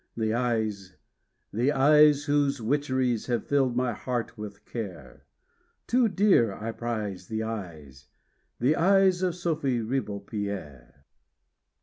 The eyes, the eyes, whose witcheries Have filled my heart with care; Too dear I prize the eyes, the eyes Of Sophy Ribeaupierre.